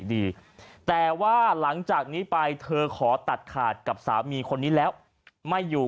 ดีแต่ว่าหลังจากนี้ไปเธอขอตัดขาดกับสามีคนนี้แล้วไม่อยู่